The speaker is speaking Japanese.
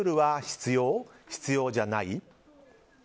必要じゃない？